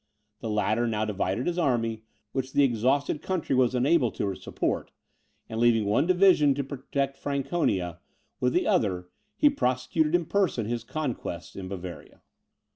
The latter now divided his army, which the exhausted country was unable to support, and leaving one division to protect Franconia, with the other he prosecuted in person his conquests in Bavaria.